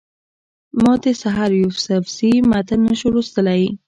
ما د سحر یوسفزي متن نه شو لوستلی.